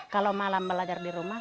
kalau malam belajar di rumah